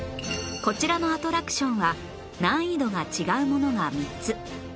こちらのアトラクションは難易度が違うものが３つ